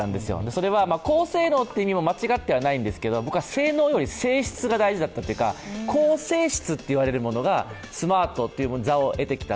それは高性能という意味も間違ってはいないんですけど、僕は性能より性質が大事だったというか、高性質といわれるものがスマートという座を得てきた。